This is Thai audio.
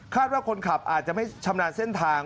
ว่าคนขับอาจจะไม่ชำนาญเส้นทาง